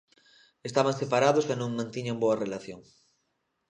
Estaban separados e non mantiñan boa relación.